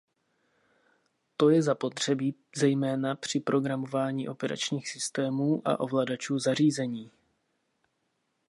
To je zapotřebí zejména při programování operačních systémů a ovladačů zařízení.